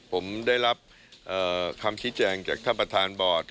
ผมได้รับคำชี้แจงจากท่านประธานบอร์ด